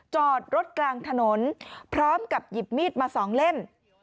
จอดรถกลางถนนพร้อมกับหยิบมีดมา๒เล่ม